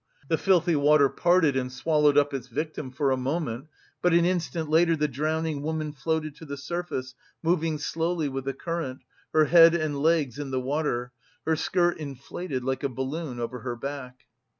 The filthy water parted and swallowed up its victim for a moment, but an instant later the drowning woman floated to the surface, moving slowly with the current, her head and legs in the water, her skirt inflated like a balloon over her back.